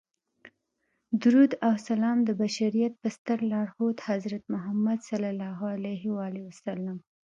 درود او سلام د بشریت په ستر لارښود حضرت محمد صلی الله علیه وسلم.